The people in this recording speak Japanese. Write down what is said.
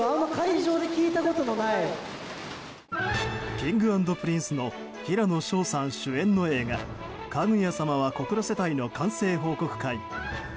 Ｋｉｎｇ＆Ｐｒｉｎｃｅの平野紫耀さん主演の映画「かぐや様は告らせたい」の完成報告会。